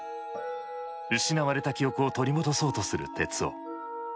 失われた記憶を取り戻そうとする徹生。